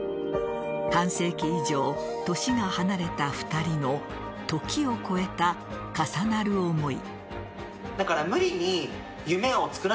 半世紀以上、年が離れた２人の時を超えた重なる思い。